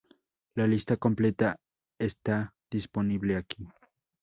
La lista completa está disponible aquí.